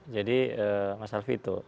jadi mas alvi itu